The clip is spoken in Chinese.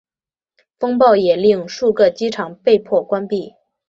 风暴也令数个机场被迫关闭。